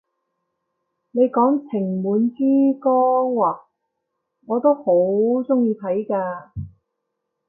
你講情滿珠江咓，我都好鍾意睇㗎！